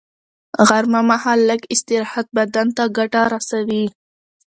غرمه مهال لږ استراحت بدن ته ګټه رسوي